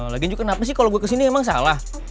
lagian juga kenapa sih kalo gue kesini emang salah